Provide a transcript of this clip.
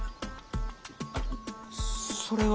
それは。